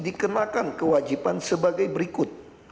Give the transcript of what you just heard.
dikenakan kewajiban sebagai berikut